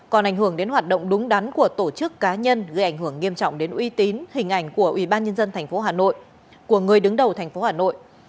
còn ảnh hưởng đến hoạt động đúng đắn của tổ chức cá nhân gây ảnh hưởng nghiêm trọng đến uy tín hình ảnh của ubnd tp hà nội của người đứng đầu tp hà nội